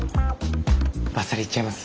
バッサリいっちゃいます？